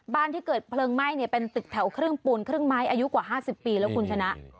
ที่เกิดเพลิงไหม้เป็นตึกแถวครึ่งปูนครึ่งไม้อายุกว่า๕๐ปีแล้วคุณชนะ